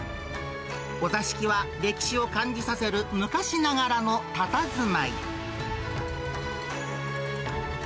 お座敷は、歴史を感じさせる昔ながらのたたずまい。